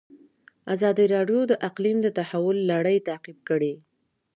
ازادي راډیو د اقلیم د تحول لړۍ تعقیب کړې.